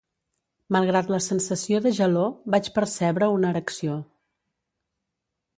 Malgrat la sensació de gelor, vaig percebre una erecció.